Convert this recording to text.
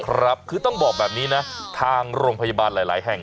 ครับคือต้องบอกแบบนี้นะทางโรงพยาบาลหลายแห่ง